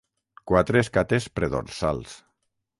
Quatre escates predorsals.